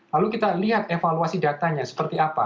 lalu kita lihat evaluasi datanya seperti apa